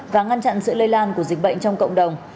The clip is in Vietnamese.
và ngăn chặn sự lây lan của dịch bệnh trong cộng đồng